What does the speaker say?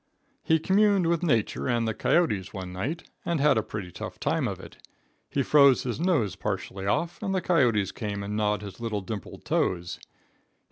] He communed with nature and the coyotes one night and had a pretty tough time of it. He froze his nose partially off, and the coyotes came and gnawed his little dimpled toes.